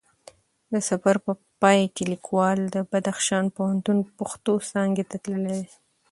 د سفر په پای کې لیکوال د بدخشان پوهنتون پښتو څانګی ته تللی دی